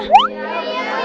iya bener bu